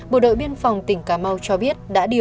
bộ đội biên phòng tỉnh cà mau cho biết